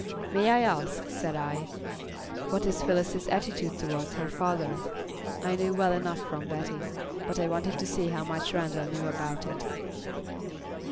"May I ask," said I, "what is Phyllis's attitude towards her father?" I knew well enough from Betty; but I wanted to see how much Randall knew about it.